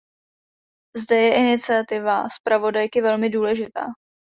Zde je iniciativa zpravodajky velmi důležitá.